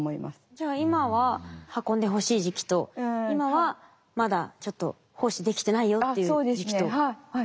じゃあ今は運んでほしい時期と今はまだちょっと胞子できてないよっていう時期と。